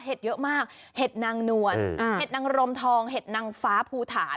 เยอะมากเห็ดนางนวลเห็ดนางรมทองเห็ดนางฟ้าภูฐาน